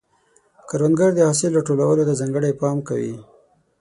کروندګر د حاصل راټولولو ته ځانګړی پام کوي